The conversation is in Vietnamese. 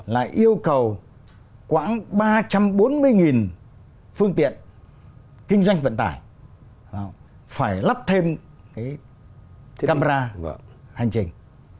là yêu cầu khoảng ba trăm bốn mươi nghìn phương tiện kinh doanh vận tải phải lắp thêm camera hành trình